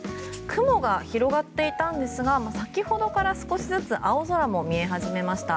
雲が広がっていたんですが先ほどから少しずつ青空も見え始めました。